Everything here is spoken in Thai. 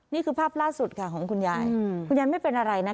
นี่คือภาพล่าสุดค่ะของคุณยายคุณยายไม่เป็นอะไรนะคะ